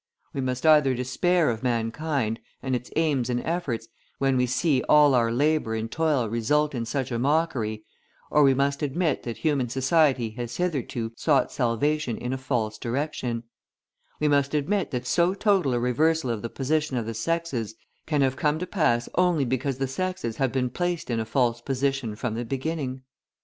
We must either despair of mankind, and its aims and efforts, when we see all our labour and toil result in such a mockery, or we must admit that human society has hitherto sought salvation in a false direction; we must admit that so total a reversal of the position of the sexes can have come to pass only because the sexes have been placed in a false position from the beginning.